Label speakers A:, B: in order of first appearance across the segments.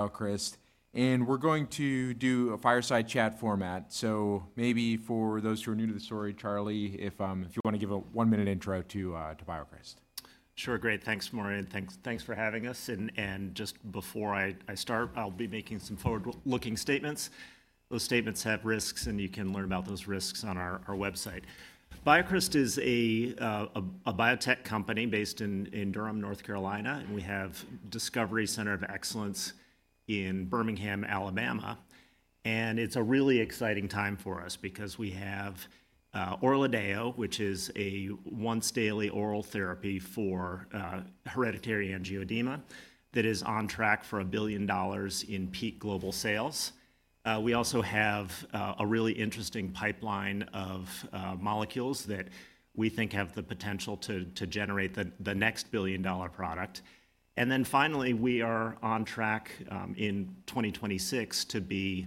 A: BioCryst, and we're going to do a fireside chat format. So maybe for those who are new to the story, Charlie, if you wanna give a one-minute intro to BioCryst.
B: Sure, great. Thanks, Maury, and thanks for having us. And just before I start, I'll be making some forward-looking statements. Those statements have risks, and you can learn about those risks on our website. BioCryst is a biotech company based in Durham, North Carolina, and we have Discovery Center of Excellence in Birmingham, Alabama. And it's a really exciting time for us because we have ORLADEYO, which is a once-daily oral therapy for hereditary angioedema, that is on track for $1 billion in peak global sales. We also have a really interesting pipeline of molecules that we think have the potential to generate the next billion-dollar product. And then finally, we are on track in 2026 to be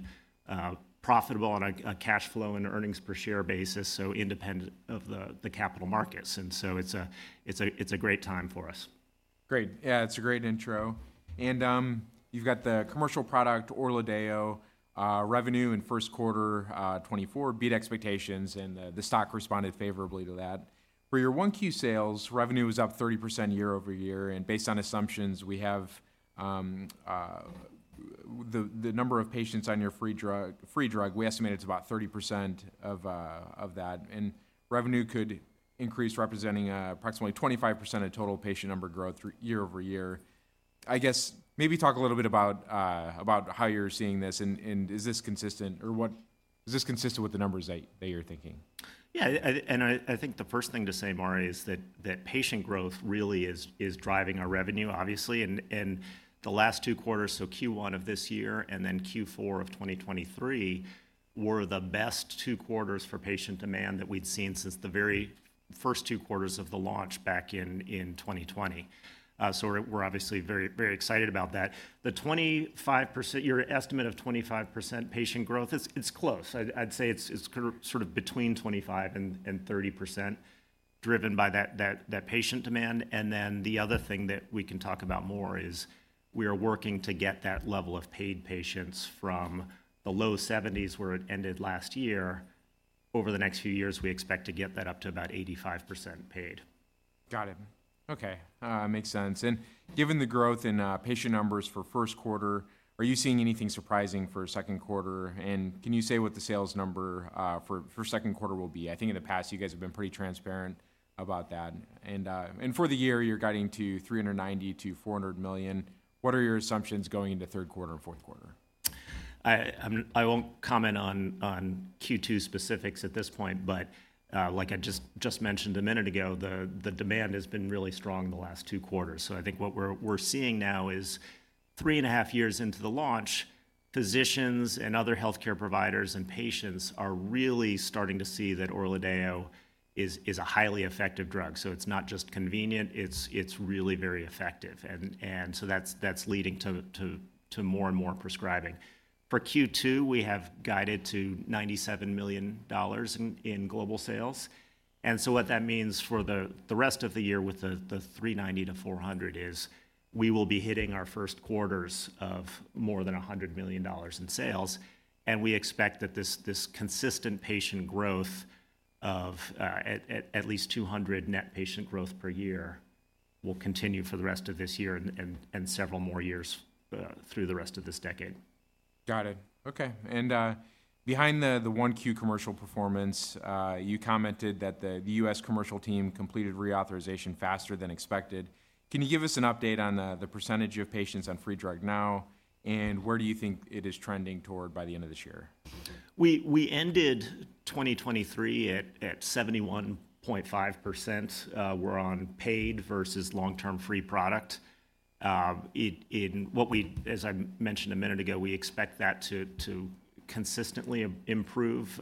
B: profitable on a cash flow and earnings per share basis, so independent of the capital markets, and so it's a great time for us.
A: Great. Yeah, it's a great intro, and you've got the commercial product, ORLADEYO. Revenue in first quarter 2024 beat expectations, and the stock responded favorably to that. For your 1Q sales, revenue was up 30% year-over-year, and based on assumptions, we have the number of patients on your free drug, we estimate it's about 30% of that. And revenue could increase, representing approximately 25% of total patient number growth through year-over-year. I guess, maybe talk a little bit about how you're seeing this, and is this consistent, or what? Is this consistent with the numbers that you're thinking?
B: Yeah, and I think the first thing to say, Maury, is that patient growth really is driving our revenue, obviously. And the last two quarters, so Q1 of this year and then Q4 of 2023, were the best two quarters for patient demand that we'd seen since the very first two quarters of the launch back in 2020. So we're obviously very excited about that. The 25%—your estimate of 25% patient growth, it's close. I'd say it's sort of between 25% and 30%, driven by that patient demand. And then the other thing that we can talk about more is we are working to get that level of paid patients from the low 70s, where it ended last year. Over the next few years, we expect to get that up to about 85% paid.
A: Got it. Okay, makes sense. And given the growth in patient numbers for first quarter, are you seeing anything surprising for second quarter? And can you say what the sales number for second quarter will be? I think in the past, you guys have been pretty transparent about that. And, and for the year, you're guiding to $390-$400 million. What are your assumptions going into third quarter and fourth quarter?
B: I won't comment on Q2 specifics at this point, but like I just mentioned a minute ago, the demand has been really strong in the last two quarters. So I think what we're seeing now is three and a half years into the launch, physicians and other healthcare providers and patients are really starting to see that ORLADEYO is a highly effective drug. So it's not just convenient, it's really very effective, and so that's leading to more and more prescribing. For Q2, we have guided to $97 million in global sales, and so what that means for the rest of the year with the $390-$400 million is we will be hitting our first quarters of more than $100 million in sales, and we expect that this consistent patient growth of at least 200 net patient growth per year will continue for the rest of this year and several more years through the rest of this decade.
A: Got it. Okay, and behind the 1Q commercial performance, you commented that the U.S. commercial team completed reauthorization faster than expected. Can you give us an update on the percentage of patients on free drug now, and where do you think it is trending toward by the end of this year?
B: We ended 2023 at 71.5%, we're on paid versus long-term free product. What we, as I mentioned a minute ago, we expect that to consistently improve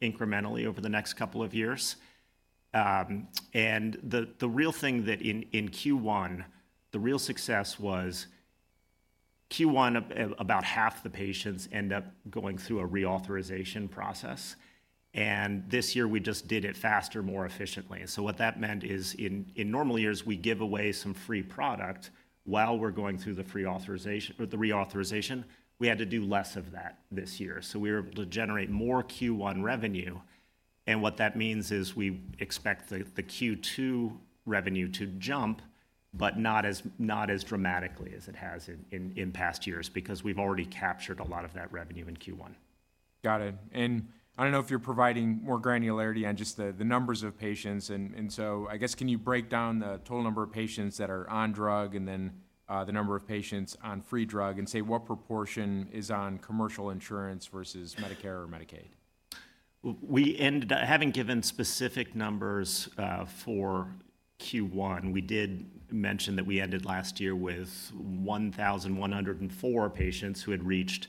B: incrementally over the next couple of years. And the real thing that in Q1, the real success was Q1, about half the patients end up going through a reauthorization process, and this year, we just did it faster, more efficiently. So what that meant is in normal years, we give away some free product while we're going through the reauthorization. We had to do less of that this year, so we were able to generate more Q1 revenue, and what that means is we expect the Q2 revenue to jump, but not as dramatically as it has in past years because we've already captured a lot of that revenue in Q1.
A: Got it. And I don't know if you're providing more granularity on just the, the numbers of patients, and, and so I guess, can you break down the total number of patients that are on drug and then the number of patients on free drug, and say what proportion is on commercial insurance versus Medicare or Medicaid?
B: We ended up having given specific numbers for Q1. We did mention that we ended last year with 1,004 patients who had reached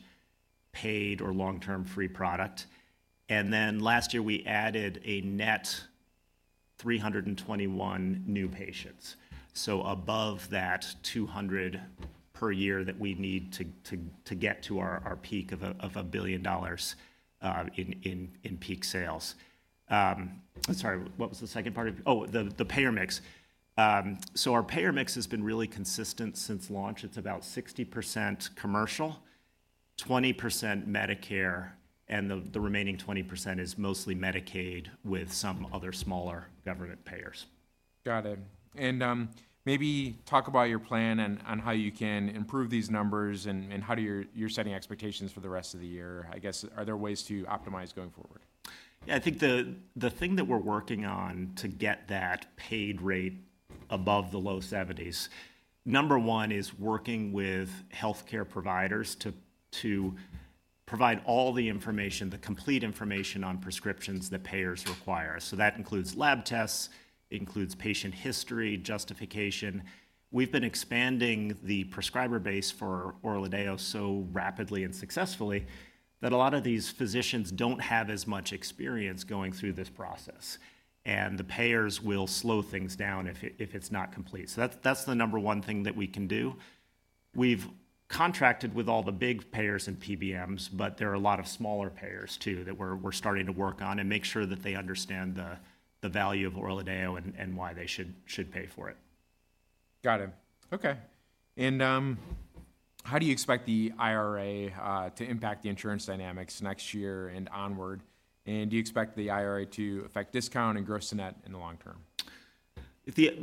B: paid or long-term free product, and then last year, we added a net 321 new patients. So above that, 200 per year that we need to get to our peak of $1 billion in peak sales. Sorry, what was the second part of... Oh, the payer mix. So our payer mix has been really consistent since launch. It's about 60% commercial, 20% Medicare, and the remaining 20% is mostly Medicaid, with some other smaller government payers.
A: Got it. Maybe talk about your plan and on how you can improve these numbers, and how do you, you're setting expectations for the rest of the year. I guess, are there ways to optimize going forward?
B: Yeah, I think the thing that we're working on to get that paid rate above the low 70s, number one is working with healthcare providers to provide all the information, the complete information on prescriptions that payers require. So that includes lab tests, it includes patient history, justification. We've been expanding the prescriber base for ORLADEYO so rapidly and successfully, that a lot of these physicians don't have as much experience going through this process, and the payers will slow things down if it's not complete. So that's the number one thing that we can do. We've contracted with all the big payers and PBMs, but there are a lot of smaller payers, too, that we're starting to work on and make sure that they understand the value of ORLADEYO and why they should pay for it.
A: Got it. Okay. And, how do you expect the IRA to impact the insurance dynamics next year and onward? And do you expect the IRA to affect discount and gross-to-net in the long term?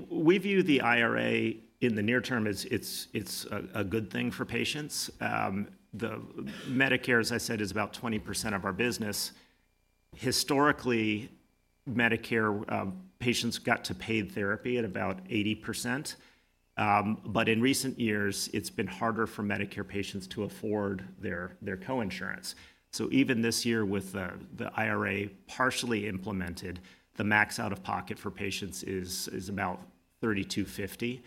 B: We view the IRA in the near term as it's a good thing for patients. The Medicare, as I said, is about 20% of our business. Historically, Medicare patients got to paid therapy at about 80%, but in recent years, it's been harder for Medicare patients to afford their co-insurance. So even this year, with the IRA partially implemented, the max out-of-pocket for patients is about $3,250.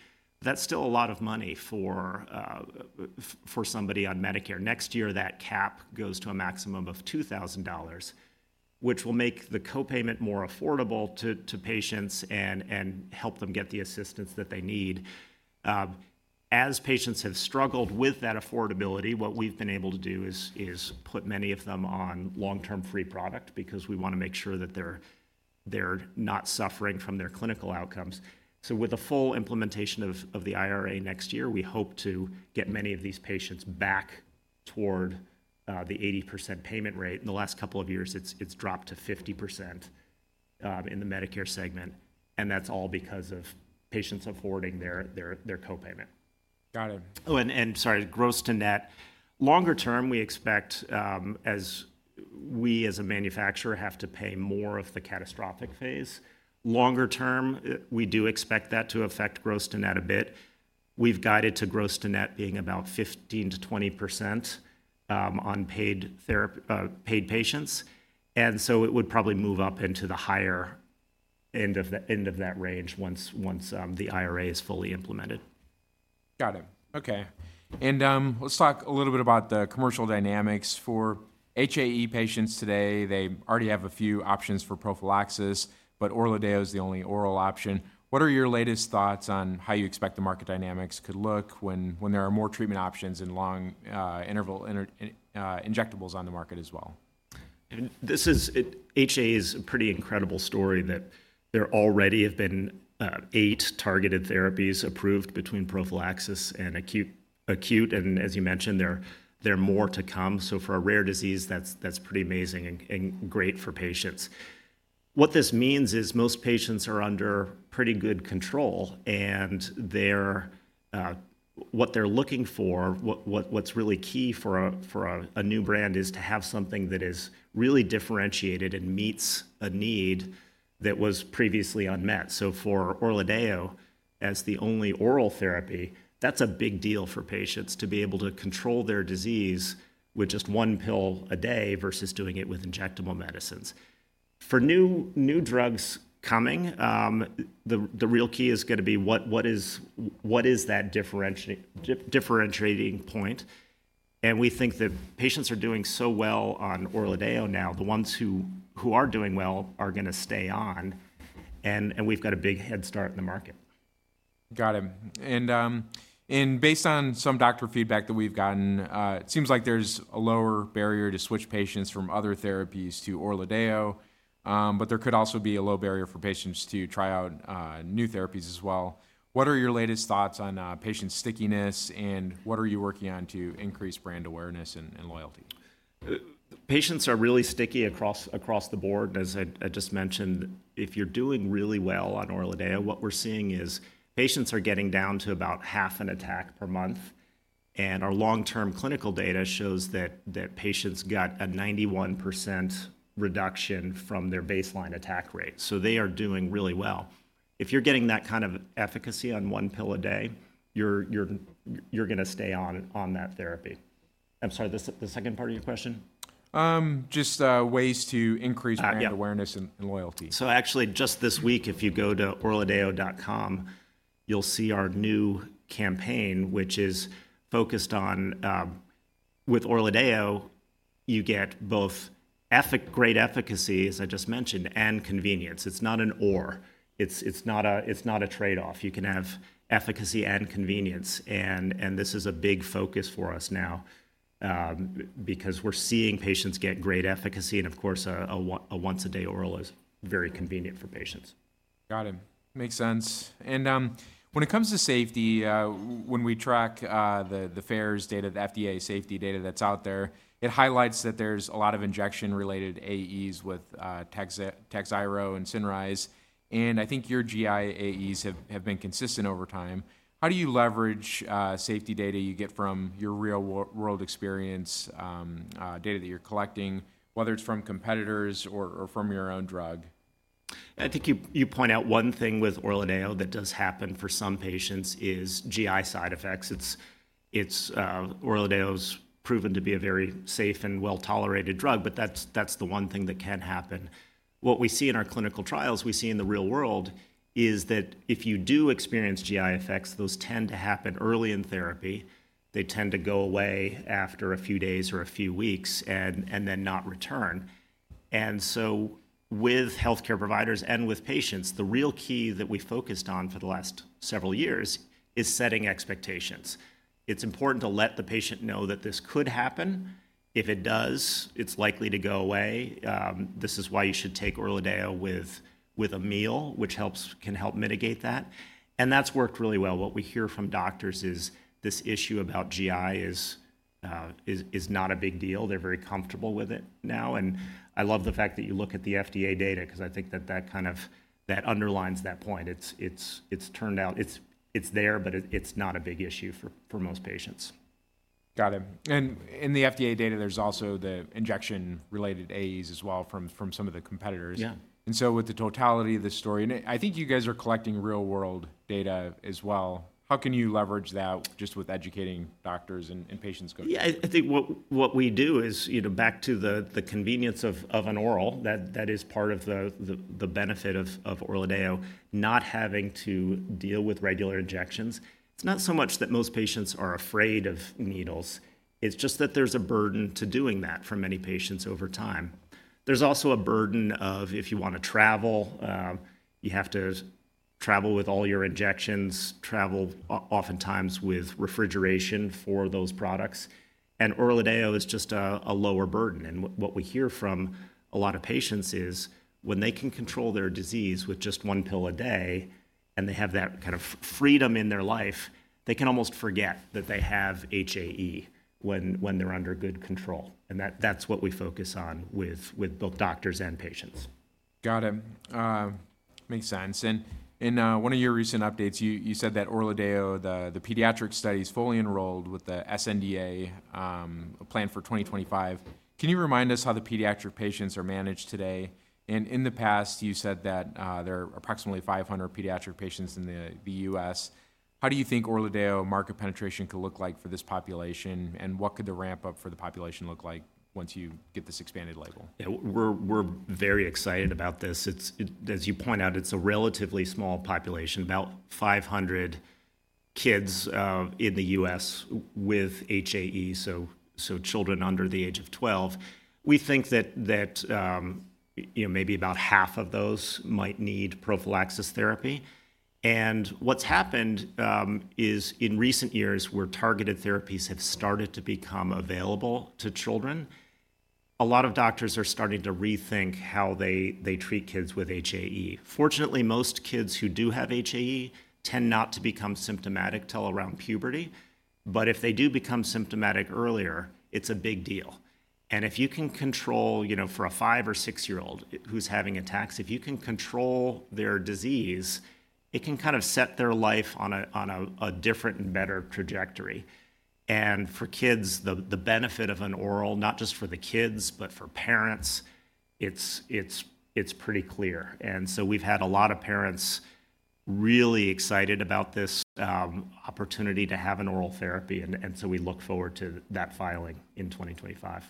B: That's still a lot of money for somebody on Medicare. Next year, that cap goes to a maximum of $2,000, which will make the co-payment more affordable to patients and help them get the assistance that they need. As patients have struggled with that affordability, what we've been able to do is put many of them on long-term free product because we wanna make sure that they're not suffering from their clinical outcomes. So with the full implementation of the IRA next year, we hope to get many of these patients back toward the 80% payment rate. In the last couple of years, it's dropped to 50% in the Medicare segment, and that's all because of patients affording their co-payment.
A: Got it.
B: Oh, and sorry, gross-to-net. Longer term, we expect as we as a manufacturer have to pay more of the catastrophic phase. Longer term, we do expect that to affect gross-to-net a bit. We've guided to gross-to-net being about 15%-20% on paid patients, and so it would probably move up into the higher end of that end of that range once the IRA is fully implemented.
A: Got it. Okay. And, let's talk a little bit about the commercial dynamics. For HAE patients today, they already have a few options for prophylaxis, but ORLADEYO is the only oral option. What are your latest thoughts on how you expect the market dynamics could look when there are more treatment options in long interval injectables on the market as well?
B: And this is, it— HAE is a pretty incredible story, that there already have been eight targeted therapies approved between prophylaxis and acute, and as you mentioned, there are more to come. So for a rare disease, that's pretty amazing and great for patients. What this means is most patients are under pretty good control, and they're... What they're looking for, what's really key for a new brand, is to have something that is really differentiated and meets a need that was previously unmet. So for ORLADEYO, as the only oral therapy, that's a big deal for patients to be able to control their disease with just one pill a day versus doing it with injectable medicines. For new drugs coming, the real key is gonna be what is that differentiating point? And we think that patients are doing so well on ORLADEYO now, the ones who are doing well are gonna stay on, and we've got a big head start in the market.
A: Got it. And, and based on some doctor feedback that we've gotten, it seems like there's a lower barrier to switch patients from other therapies to ORLADEYO, but there could also be a low barrier for patients to try out, new therapies as well. What are your latest thoughts on, patient stickiness, and what are you working on to increase brand awareness and, and loyalty?
B: Patients are really sticky across, across the board. As I just mentioned, if you're doing really well on ORLADEYO, what we're seeing is patients are getting down to about half an attack per month, and our long-term clinical data shows that patients got a 91% reduction from their baseline attack rate. So they are doing really well. If you're getting that kind of efficacy on one pill a day, you're gonna stay on that therapy. I'm sorry, the second part of your question?
A: Just ways to increase-
B: Ah, yeah...
A: brand awareness and loyalty.
B: So actually, just this week, if you go to ORLADEYO.com, you'll see our new campaign, which is focused on with ORLADEYO, you get both great efficacy, as I just mentioned, and convenience. It's not an or, it's not a trade-off. You can have efficacy and convenience, and this is a big focus for us now because we're seeing patients get great efficacy, and of course, a once-a-day oral is very convenient for patients.
A: Got it. Makes sense. When it comes to safety, when we track the FAERS data, the FDA safety data that's out there, it highlights that there's a lot of injection-related AEs with Takhzyro and Cinryze, and I think your GI AEs have been consistent over time. How do you leverage safety data you get from your real world experience, data that you're collecting, whether it's from competitors or from your own drug? I think you point out one thing with ORLADEYO that does happen for some patients is GI side effects. It's ORLADEYO's proven to be a very safe and well-tolerated drug, but that's the one thing that can happen. What we see in our clinical trials, we see in the real world, is that if you do experience GI effects, those tend to happen early in therapy. They tend to go away after a few days or a few weeks and then not return. And so with healthcare providers and with patients, the real key that we focused on for the last several years is setting expectations. It's important to let the patient know that this could happen. If it does, it's likely to go away. This is why you should take ORLADEYO with a meal, which can help mitigate that, and that's worked really well. What we hear from doctors is this issue about GI is not a big deal. They're very comfortable with it now, and I love the fact that you look at the FDA data because I think that kind of underlines that point. It's turned out it's there, but it's not a big issue for most patients. Got it. In the FDA data, there's also the injection-related AEs as well from some of the competitors.
B: Yeah.
A: And so with the totality of the story, and I think you guys are collecting real-world data as well, how can you leverage that just with educating doctors and patients going forward?
B: Yeah, I think what we do is, you know, back to the convenience of an oral, that is part of the benefit of ORLADEYO, not having to deal with regular injections. It's not so much that most patients are afraid of needles, it's just that there's a burden to doing that for many patients over time. There's also a burden of if you want to travel, you have to travel with all your injections, travel oftentimes with refrigeration for those products, and ORLADEYO is just a lower burden. What we hear from a lot of patients is, when they can control their disease with just one pill a day, and they have that kind of freedom in their life, they can almost forget that they have HAE when they're under good control, and that's what we focus on with both doctors and patients.
A: Got it. Makes sense. In one of your recent updates, you said that ORLADEYO, the pediatric study is fully enrolled with the sNDA planned for 2025. Can you remind us how the pediatric patients are managed today? In the past, you said that there are approximately 500 pediatric patients in the U.S. How do you think ORLADEYO market penetration could look like for this population, and what could the ramp-up for the population look like once you get this expanded label?
B: Yeah, we're very excited about this. It's. As you point out, it's a relatively small population, about 500 kids in the U.S. with HAE, so children under the age of 12. We think that you know, maybe about half of those might need prophylaxis therapy. And what's happened is in recent years, where targeted therapies have started to become available to children, a lot of doctors are starting to rethink how they treat kids with HAE. Fortunately, most kids who do have HAE tend not to become symptomatic till around puberty, but if they do become symptomatic earlier, it's a big deal. And if you can control you know, for a 5- or 6-year-old who's having attacks, if you can control their disease, it can kind of set their life on a different and better trajectory. And for kids, the benefit of an oral, not just for the kids, but for parents, it's pretty clear. And so we've had a lot of parents really excited about this opportunity to have an oral therapy, and so we look forward to that filing in 2025.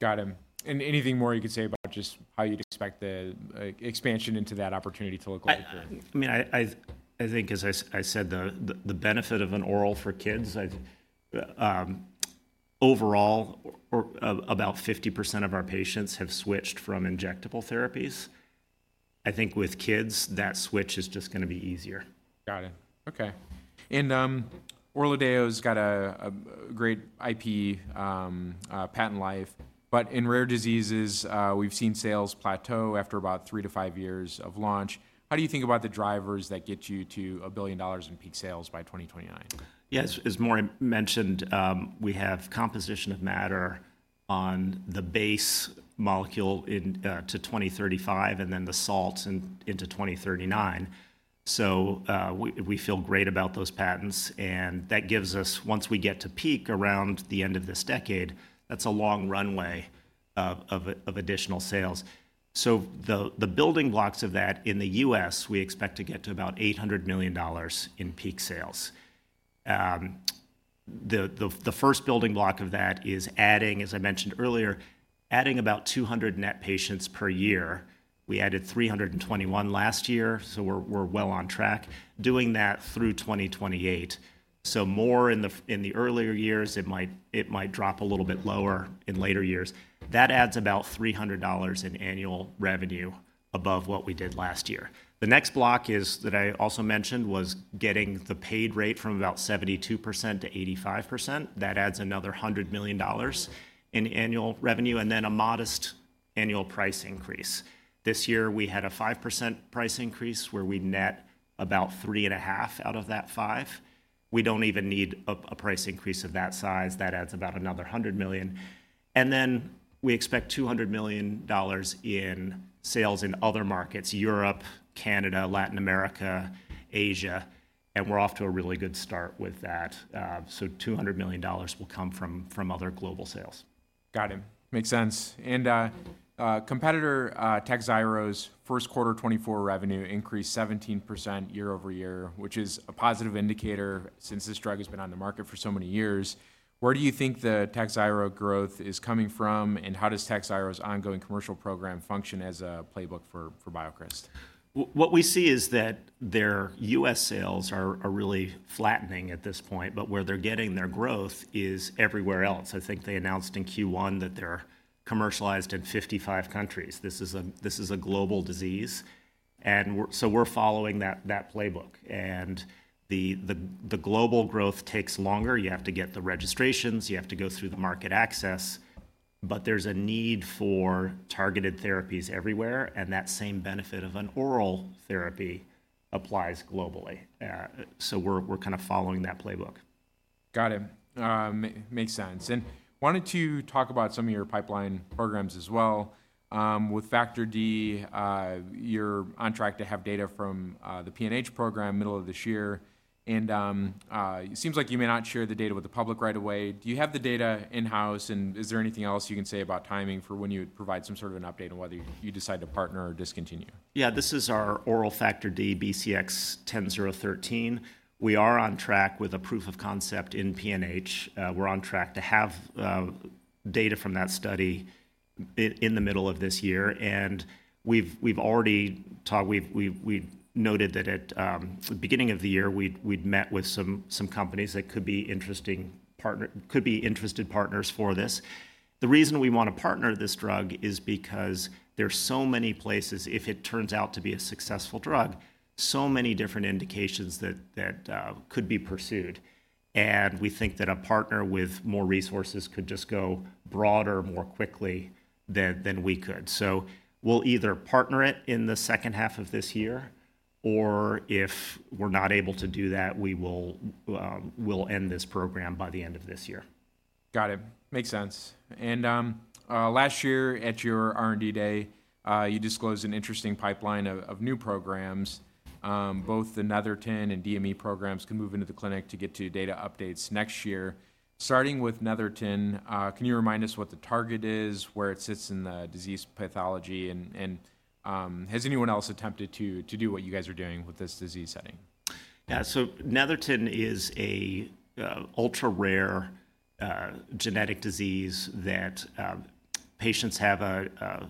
A: Got it. And anything more you could say about just how you'd expect the expansion into that opportunity to look like?
B: I mean, I think, as I said, the benefit of an oral for kids. Overall, about 50% of our patients have switched from injectable therapies. I think with kids, that switch is just gonna be easier.
A: Got it. Okay. And, ORLADEYO's got a great IP, patent life, but in rare diseases, we've seen sales plateau after about 3-5 years of launch. How do you think about the drivers that get you to $1 billion in peak sales by 2029?
B: Yeah, as Maury mentioned, we have composition of matter on the base molecule to 2035, and then the salts into 2039. So, we feel great about those patents, and that gives us, once we get to peak around the end of this decade, that's a long runway of additional sales. So the building blocks of that in the U.S., we expect to get to about $800 million in peak sales. The first building block of that is adding, as I mentioned earlier, adding about 200 net patients per year. We added 321 last year, so we're well on track, doing that through 2028. So more in the earlier years, it might drop a little bit lower in later years. That adds about $300 in annual revenue above what we did last year. The next block is, that I also mentioned, was getting the paid rate from about 72%-85%. That adds another $100 million in annual revenue, and then a modest annual price increase. This year, we had a 5% price increase, where we net about 3.5 out of that 5. We don't even need a price increase of that size. That adds about another $100 million, and then we expect $200 million in sales in other markets: Europe, Canada, Latin America, Asia, and we're off to a really good start with that. So $200 million will come from other global sales.
A: Got it. Makes sense. Competitor, Takhzyro's first quarter 2024 revenue increased 17% year-over-year, which is a positive indicator since this drug has been on the market for so many years. Where do you think the Takhzyro growth is coming from, and how does Takhzyro's ongoing commercial program function as a playbook for BioCryst?
B: What we see is that their US sales are really flattening at this point, but where they're getting their growth is everywhere else. I think they announced in Q1 that they're commercialized in 55 countries. This is a global disease, and so we're following that playbook. And the global growth takes longer. You have to get the registrations, you have to go through the market access, but there's a need for targeted therapies everywhere, and that same benefit of an oral therapy applies globally. So we're kind of following that playbook.
A: Got it. Makes sense, and wanted to talk about some of your pipeline programs as well. With Factor D, you're on track to have data from the PNH program middle of this year, and it seems like you may not share the data with the public right away. Do you have the data in-house, and is there anything else you can say about timing for when you would provide some sort of an update on whether you, you decide to partner or discontinue?
B: Yeah, this is our oral Factor D, BCX10013. We are on track with a proof of concept in PNH. We're on track to have data from that study in the middle of this year, and we've noted that at the beginning of the year, we'd met with some companies that could be interesting partner—could be interested partners for this. The reason we want to partner this drug is because there are so many places, if it turns out to be a successful drug, so many different indications that could be pursued, and we think that a partner with more resources could just go broader, more quickly than we could. We'll either partner it in the second half of this year, or if we're not able to do that, we will, we'll end this program by the end of this year.
A: Got it. Makes sense. And last year at your R&D Day, you disclosed an interesting pipeline of new programs. Both the Netherton and DME programs can move into the clinic to get to data updates next year. Starting with Netherton, can you remind us what the target is, where it sits in the disease pathology, and has anyone else attempted to do what you guys are doing with this disease setting?
B: Yeah, so Netherton is a ultra-rare genetic disease that patients have a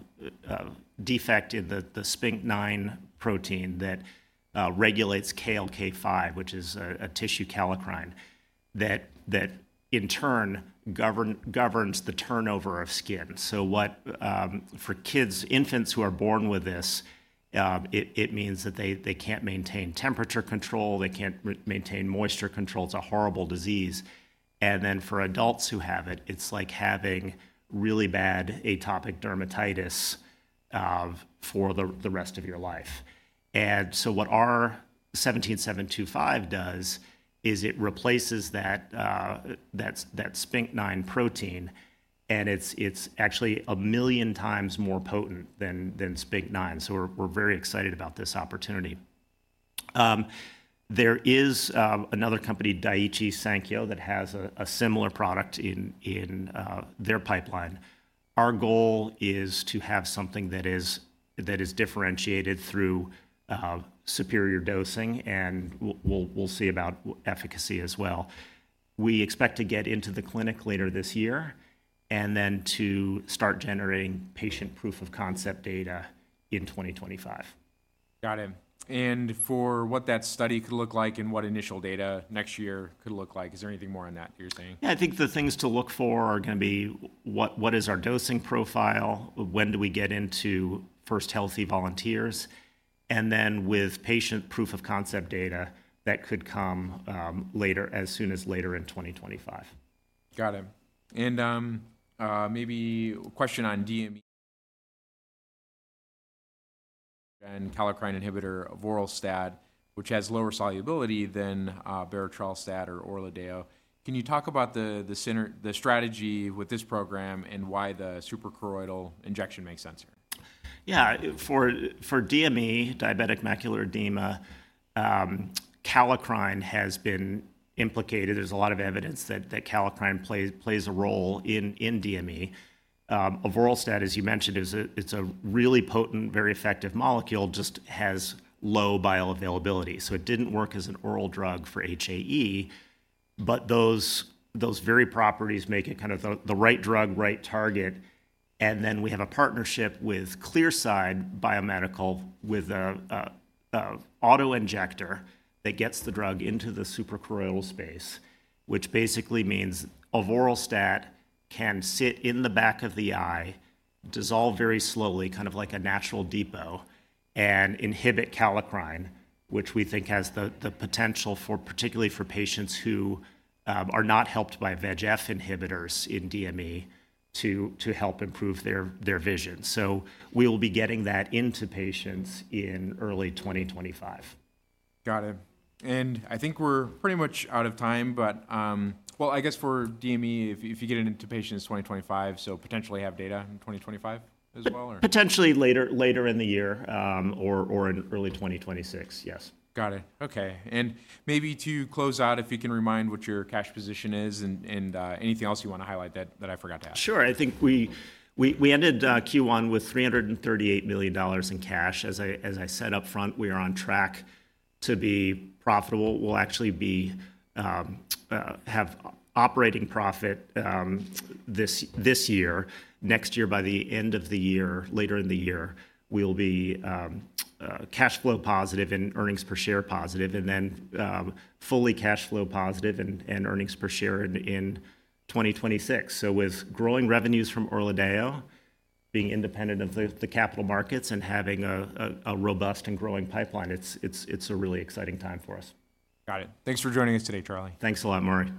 B: defect in the SPINK9 protein that regulates KLK5, which is a tissue kallikrein, that in turn governs the turnover of skin. So what for kids, infants who are born with this, it means that they can't maintain temperature control, they can't maintain moisture control. It's a horrible disease, and then for adults who have it, it's like having really bad atopic dermatitis for the rest of your life. And so what our 17725 does is it replaces that SPINK9 protein, and it's actually 1 million times more potent than SPINK9, so we're very excited about this opportunity. There is another company, Daiichi Sankyo, that has a similar product in their pipeline. Our goal is to have something that is differentiated through superior dosing, and we'll see about efficacy as well. We expect to get into the clinic later this year, and then to start generating patient proof of concept data in 2025.
A: Got it. For what that study could look like and what initial data next year could look like, is there anything more on that you're saying?
B: Yeah, I think the things to look for are gonna be what, what is our dosing profile? When do we get into first healthy volunteers? And then with patient proof of concept data, that could come later, as soon as later in 2025.
A: Got it. And maybe a question on DME and kallikrein inhibitor avoralstat, which has lower solubility than berotralstat or ORLADEYO. Can you talk about the strategy with this program and why the suprachoroidal injection makes sense here?
B: Yeah. For DME, diabetic macular edema, kallikrein has been implicated. There's a lot of evidence that kallikrein plays a role in DME. Avoralstat, as you mentioned, is a really potent, very effective molecule, just has low bioavailability. So it didn't work as an oral drug for HAE, but those very properties make it kind of the right drug, right target, and then we have a partnership with Clearside Biomedical, with an auto-injector that gets the drug into the suprachoroidal space, which basically means avoralstat can sit in the back of the eye, dissolve very slowly, kind of like a natural depot, and inhibit kallikrein, which we think has the potential for, particularly for patients who are not helped by VEGF inhibitors in DME to help improve their vision. We'll be getting that into patients in early 2025.
A: Got it. I think we're pretty much out of time, but, well, I guess for DME, if you get it into patients in 2025, so potentially have data in 2025 as well, or?
B: Potentially later in the year, or in early 2026. Yes.
A: Got it. Okay, and maybe to close out, if you can remind what your cash position is and anything else you want to highlight that I forgot to ask?
B: Sure. I think we ended Q1 with $338 million in cash. As I said up front, we are on track to be profitable. We'll actually have operating profit this year. Next year, by the end of the year, we'll be cash flow positive and earnings per share positive, and then fully cash flow positive and earnings per share in 2026. So with growing revenues from ORLADEYO, being independent of the capital markets, and having a robust and growing pipeline, it's a really exciting time for us.
A: Got it. Thanks for joining us today, Charlie.
B: Thanks a lot, Maury.